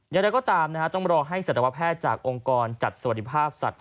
อย่างไรก็ตามต้องรอให้สัตวแพทย์จากองค์กรจัดสวัสดิภาพสัตว